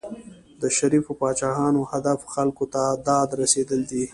د شریفو پاچاهانو هدف خلکو ته داد رسېدل دي.